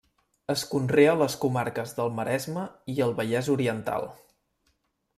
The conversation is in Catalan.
Es conrea a les comarques del Maresme i el Vallès Oriental.